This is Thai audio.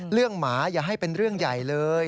เรื่องหมายอย่าให้เป็นเรื่องใหญ่เลย